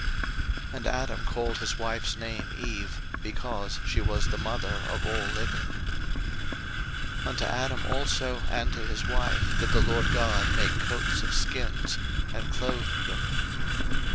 01:003:020 And Adam called his wife's name Eve; because she was the mother of all living. 01:003:021 Unto Adam also and to his wife did the LORD God make coats of skins, and clothed them.